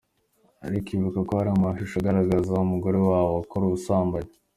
ariko ibuka ko hari amashusho agaragaza umugore wawe akora ubusambanyi.